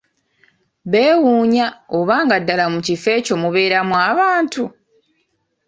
Bewuunya, oba nga ddala mu kifo ekyo mubeeramu abantu!